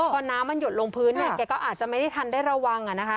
พอน้ำมันหยดลงพื้นแกก็อาจจะไม่ได้ทันได้ระวัง